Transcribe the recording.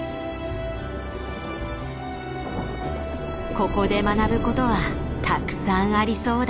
ここで学ぶことはたくさんありそうだ。